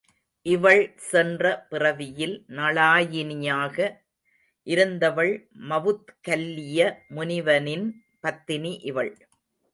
இவள் சென்ற பிறவியில் நளாயினியாக இருந்தவள் மவுத்கல்லிய முனிவனின் பத்தினி இவள்.